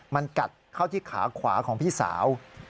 มันกัดเข้าที่ขาขวาของพี่สาว